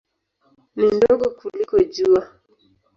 Ni ndogo kuliko Jua.